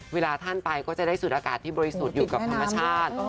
เวลาท่านไปก็จะได้สูดอากาศที่บริสุทธิ์อยู่กับธรรมชาติ